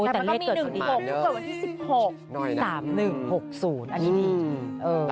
แต่มันก็มี๑๖เกิดวันที่๑๖